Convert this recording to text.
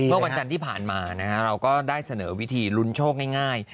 เมื่อวันจันทร์ที่ผ่านมาเราก็ได้เสนอวิธีลุ้นโชคง่าย